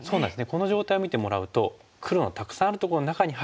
この状態を見てもらうと黒のたくさんあるとこの中に入ってきたんですからね